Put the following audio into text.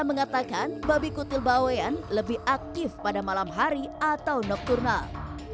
menurut pemerintah babi kutil bawean lebih aktif pada malam hari atau nocturnal